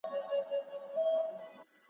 اورېدل باندي لوټونه غیرانونه ,